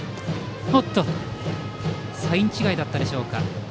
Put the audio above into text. サイン違いだったでしょうか。